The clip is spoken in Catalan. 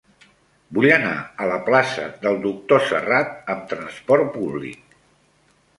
Vull anar a la plaça del Doctor Serrat amb trasport públic.